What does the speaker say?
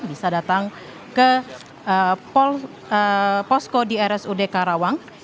bisa datang ke posko di rsud karawang